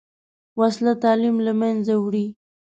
وسله تعلیم له منځه وړي